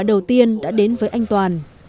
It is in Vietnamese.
đầu tiên đã đến với anh toàn